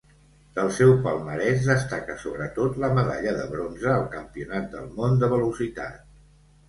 Del seu palmarès destaca sobretot la medalla de bronze al Campionat del món de velocitat.